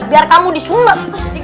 biar kamu disunat